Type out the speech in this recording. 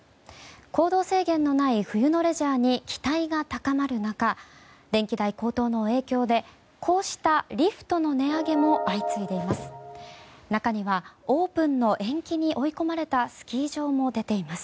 行動制限のない冬のレジャーに期待が高まる中電気代高騰の影響でこうしたリフトの値上げも相次いでいます。